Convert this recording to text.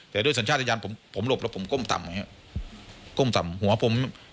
แต่ด้วยสัญชาติยานผมผมหลบแล้วผมก้มต่ำอย่างเงี้ยก้มต่ำหัวผม